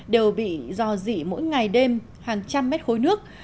đều bị dò dị mỗi ngày đêm hàng trăm mét khối nước